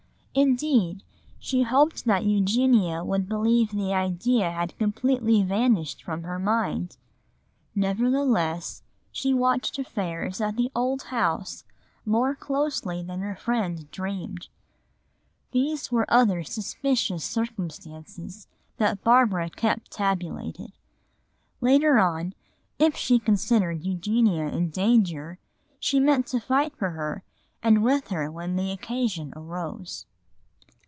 Indeed, she hoped that Eugenia would believe the idea had completely vanished from her mind. Nevertheless, she watched affairs at the old house more closely than her friend dreamed. There were other suspicious circumstances that Barbara kept tabulated. Later on, if she considered Eugenia in danger, she meant to fight for her and with her when the occasion arose.